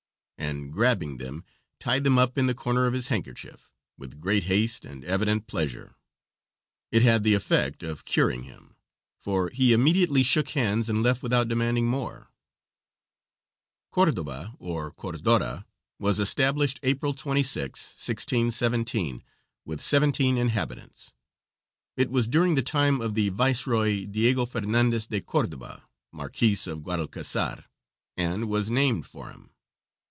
and grabbing them, tied them up in the corner of his handkerchief, with great haste and evident pleasure. It had the effect of curing him, for he immediately shook hands and left without demanding more. Cordoba, or Cordora, was established April 26, 1617, with 17 inhabitants. It was during the time of the Viceroy Diego Fernandez de Cordoba, Marquis of Guadalcazar, and was named for him.